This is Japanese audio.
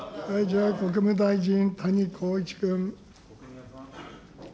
国務大臣、谷公一君。